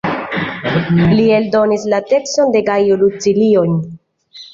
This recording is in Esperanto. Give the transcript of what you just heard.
Li eldonis la tekston de Gajo Lucilio-n.